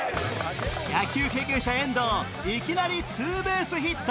野球経験者遠藤いきなりツーベースヒット